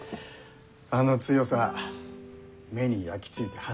あの強さ目に焼き付いて離れぬわ。